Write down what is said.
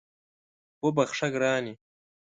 وبخښه ګرانې